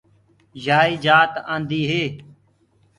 يائيٚ جآت آنٚديٚ هي۔